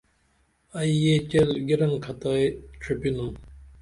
ائی یہ چیل گِرنکھتائی ڇُھپی نُم